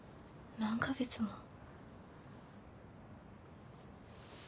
何か月も？